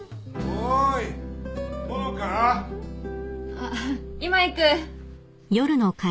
あっ今行く。